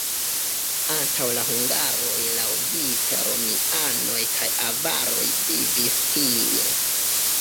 Antaŭ la hungaroj laŭvice romianoj kaj avaroj vivis tie.